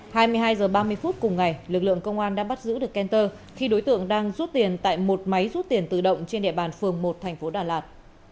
hai mươi hai h ba mươi phút cùng ngày lực lượng công an đã bắt giữ được kenter khi đối tượng đang rút tiền tại một máy rút tiền tự động trên địa bàn phường một thành phố đà lạt